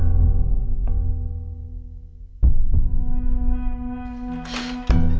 saya lihat bekas tepi